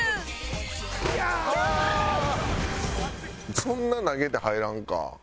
そんな投げて入らんか。